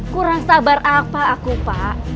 kurang sabar apa aku pak